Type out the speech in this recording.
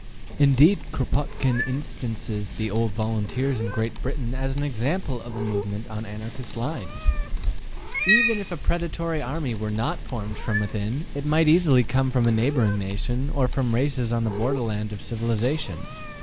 Indeed, Kropotkin instances the old volunteers in Great Britain as an example of a movement on Anarchist lines. Even if a predatory army were not formed from within, it might easily come from a neighboring nation, or from races on the borderland of civilization.